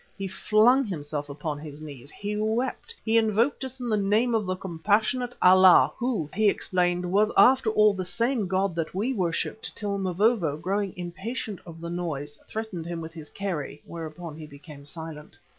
He flung himself upon his knees, he wept, he invoked us in the name of the Compassionate Allah who, he explained, was after all the same God that we worshipped, till Mavovo, growing impatient of the noise, threatened him with his kerry, whereon he became silent.